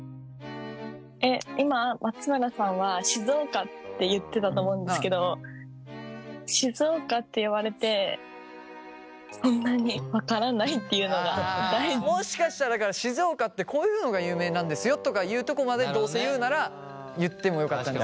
今松村さんは静岡って言ってたと思うんですけどもしかしたらだから静岡ってこういうのが有名なんですよとかいうとこまでどうせ言うなら言ってもよかったのかなとか。